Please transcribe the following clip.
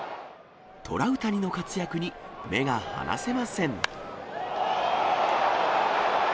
トラウタニの活躍に目が離せません。